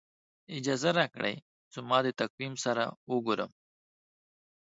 اجازه راکړئ زما د تقویم سره وګورم.